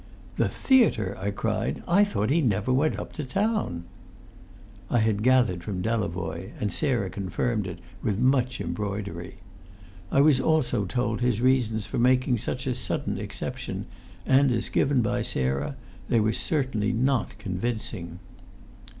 "The theatre!" I cried. "I thought he never even went up to town?" I had gathered that from Delavoye, and Sarah confirmed it with much embroidery. I was also told his reasons for making such a sudden exception, and as given by Sarah they were certainly not convincing.